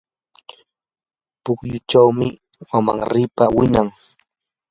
pukyuchawmi wamanripa winan.